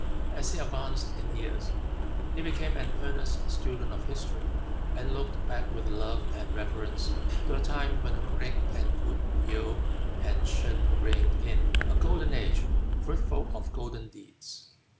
As he advanced in years he became an earnest student of history, and looked back with love and reverence to the time when the great and good Yaou and Shun reigned in: "A golden age, fruitful of golden deeds."